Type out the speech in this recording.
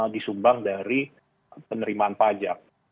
disumbang dari penerimaan pajak